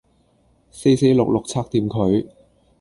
四四六六拆掂佢